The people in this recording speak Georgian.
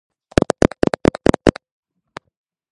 უკანონო საქმიანობის გარდა, კაპონე იყო საჯარო ფიგურაც.